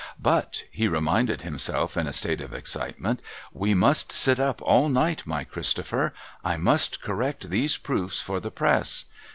' But,' he reminded himself in a state of excitement, ' we must sit up all night, my Christopher. I must correct these Proofs for the press.